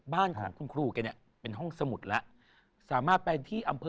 ด้วยความรักด้วยพักดี